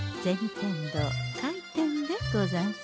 天堂開店でござんす。